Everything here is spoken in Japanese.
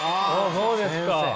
そうですか。